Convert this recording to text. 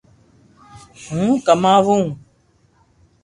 ھون ڪماوُ